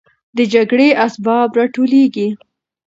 د جګړې اسباب راټولېږي.